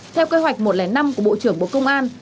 theo kế hoạch một trăm linh năm của bộ trưởng bộ công an